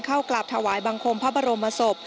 กราบถวายบังคมพระบรมศพ